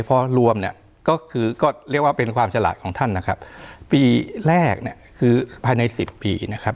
เพราะรวมก็เรียกว่าเป็นความฉลาดของท่านปีแรกคือภายใน๑๐ปี